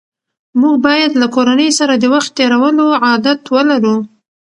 موږ باید له کورنۍ سره د وخت تېرولو عادت ولرو